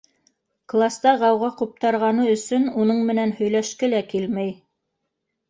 Класта ғауға ҡуптарғаны өсөн уның менән һөйләшке лә килмәй.